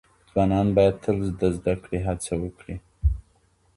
ځوانان باید تل د زده کړې هڅه وکړي.